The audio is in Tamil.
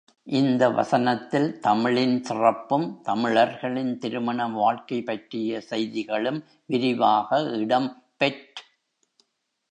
இந்த வசனத்தில் தமிழின் சிறப்பும், தமிழர்களின் திருமண வாழ்க்கை பற்றிய செய்திகளும் விரிவாக இடம் பெற்.